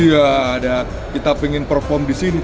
iya ada kita pengen perform disini